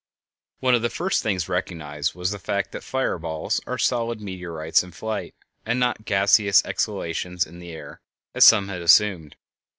One of the first things recognized was the fact that fire balls are solid meteorites in flight, and not gaseous exhalations in the air, as some had assumed.